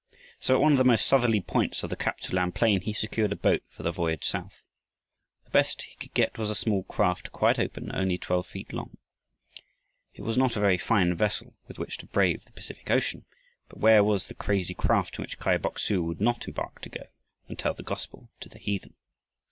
So at one of the most southerly points of the Kap tsu lan plain he secured a boat for the voyage south. The best he could get was a small craft quite open, only twelve feet long. It was not a very fine vessel with which to brave the Pacific Ocean, but where was the crazy craft in which Kai Bok su would not embark to go and tell the gospel to the heathen?